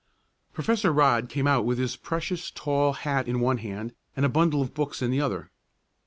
Professor Rodd came out with his precious tall hat in one hand and a bundle of books in the other.